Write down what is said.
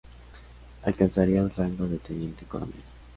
Alcanzaría el rango de teniente coronel.